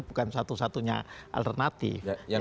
bukan satu satunya alternatif